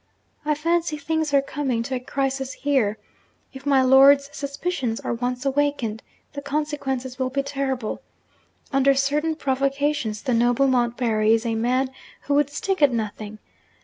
I fancy things are coming to a crisis here. If my lord's suspicions are once awakened, the consequences will be terrible. Under certain provocations, the noble Montbarry is a man who would stick at nothing.